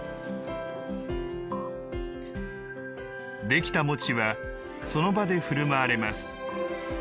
出来た餅は、その場でふるまわれます。